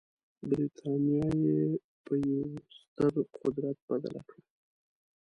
برټانیه یې په یوه ستر قدرت بدله کړه.